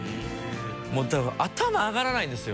もうだから頭上がらないんですよ。